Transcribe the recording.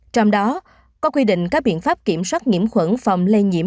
trong đó có quy định các biện pháp kiểm soát nhiễm khuẩn phòng lây nhiễm